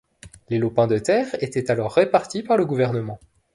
Les lopins de terre étaient alors répartis par le gouvernement.